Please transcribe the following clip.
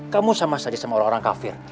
kamu sama saja sama orang orang kafir